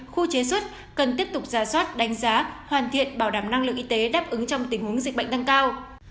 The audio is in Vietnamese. khu chế xuất cần tiếp tục ra soát đánh giá hoàn thiện bảo đảm năng lượng y tế đáp ứng trong tình huống dịch bệnh tăng cao